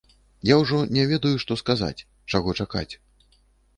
Я ўжо не ведаю, што сказаць, чаго чакаць.